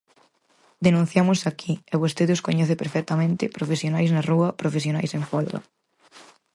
Denunciamos aquí –e vostede os coñece perfectamente– profesionais na rúa, profesionais en folga.